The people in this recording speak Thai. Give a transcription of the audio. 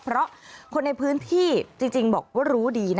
เพราะคนในพื้นที่จริงบอกว่ารู้ดีนะ